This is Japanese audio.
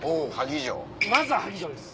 まずは萩城です。